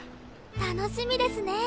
楽しみですね。